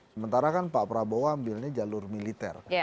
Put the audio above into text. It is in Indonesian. sementara kan pak prabowo ambilnya jalur militer